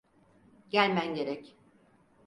Gelmen gerek.